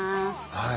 はい。